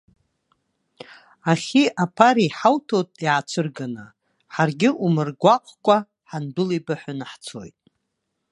Ахьи аԥареи ҳауҭоит иаацәырганы, ҳаргьы умрыгәаҟкәа, ҳандәылибаҳәаны ҳцоит.